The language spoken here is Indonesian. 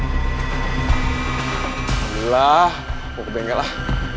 alah aku ke bengkelah